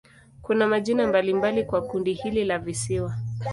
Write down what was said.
Kuna majina mbalimbali kwa kundi hili la visiwa.